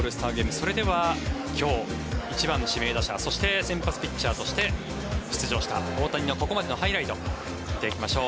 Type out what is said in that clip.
それでは今日、１番指名打者そして、先発ピッチャーとして出場した大谷のここまでのハイライトを見ていきましょう。